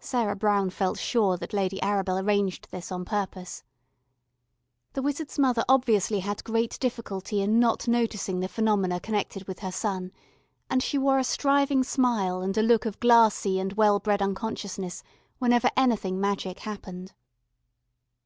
Sarah Brown felt sure that Lady Arabel arranged this on purpose. The wizard's mother obviously had great difficulty in not noticing the phenomena connected with her son, and she wore a striving smile and a look of glassy and well bred unconsciousness whenever anything magic happened.